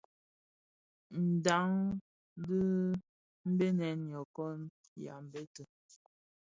Ndhañ di Benèn, nyokon, yambette.